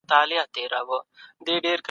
که موږ یې ونه کاروو نو څوک به یې کاروي؟